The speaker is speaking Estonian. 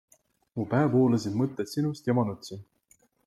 Mu pähe voolasid mõtted sinust ja ma nutsin.